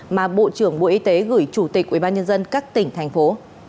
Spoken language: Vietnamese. mà bộ trưởng bộ y tế gửi chủ tịch ubnd các tỉnh thành phố